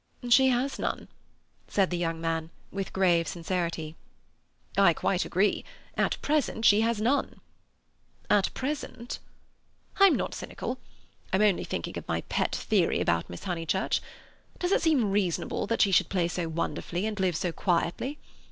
"She has none," said the young man, with grave sincerity. "I quite agree. At present she has none." "At present?" "I'm not cynical. I'm only thinking of my pet theory about Miss Honeychurch. Does it seem reasonable that she should play so wonderfully, and live so quietly?